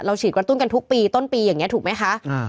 ฉีดกระตุ้นกันทุกปีต้นปีอย่างนี้ถูกไหมคะ